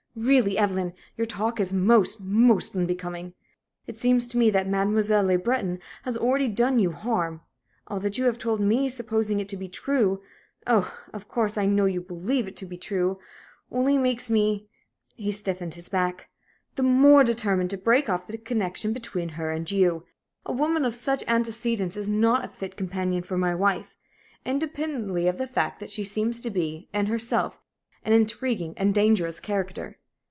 "Really, Evelyn, your talk is most most unbecoming. It seems to me that Mademoiselle Le Breton has already done you harm. All that you have told me, supposing it to be true oh, of course, I know you believe it to be true only makes me" he stiffened his back "the more determined to break off the connection between her and you. A woman of such antecedents is not a fit companion for my wife, independently of the fact that she seems to be, in herself, an intriguing and dangerous character."